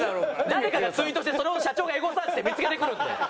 誰かがツイートしてそれを社長がエゴサーチして見付けてくるんで。